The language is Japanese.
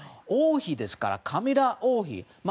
王妃ですから、カミラ王妃。